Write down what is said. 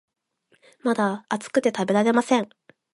まだ熱くて食べられません